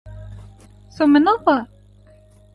Tumneḍ?